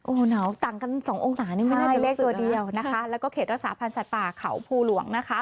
โอ้โหหนาวต่างกันสององศานี่ไม่น่าจะเลขตัวเดียวนะคะแล้วก็เขตรักษาพันธ์สัตว์ป่าเขาภูหลวงนะคะ